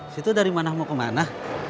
situ dari mana mau kemana